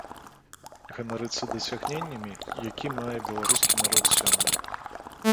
Ганарыцца дасягненнямі, які мае беларускі народ сёння.